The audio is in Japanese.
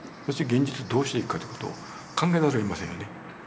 現実どうしていくかという事を考えざるをえませんよね。